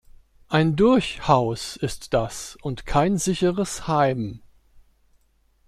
Ein "Durchhaus" ist das und kein sicheres Heim.